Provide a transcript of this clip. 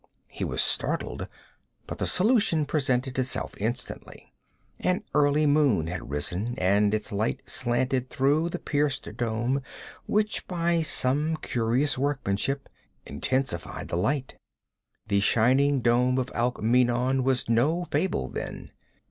He was startled, but the solution presented itself instantly. An early moon had risen and its light slanted through the pierced dome which by some curious workmanship intensified the light. The shining dome of Alkmeenon was no fable, then.